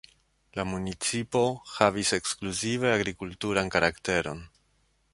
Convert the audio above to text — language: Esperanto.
La municipo havis ekskluzive agrikulturan karakteron.